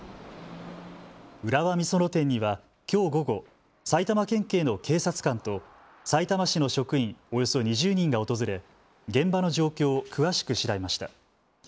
浦和美園店にはきょう午後、埼玉県警の警察官とさいたま市の職員およそ２０人が訪れ現場の状況を詳しく調べました。